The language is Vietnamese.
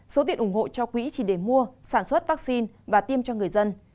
số tiền ủng hộ cho quỹ chỉ để mua sản xuất vaccine và tiêm cho người dân